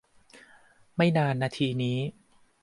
ไม่นานนาทีนี้